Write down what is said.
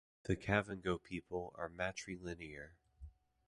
The Kavango people are matrilinear.